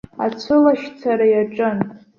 Ацәылашьцара иаҿын.